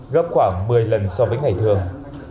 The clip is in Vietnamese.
gấp khoảng một mươi lần so với ngày thường